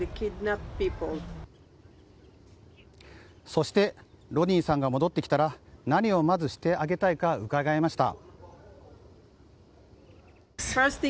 そして、ロニーさんが戻ってきたら何をまずしてあげたいか伺いました。